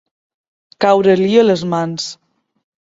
Caure-li a les mans.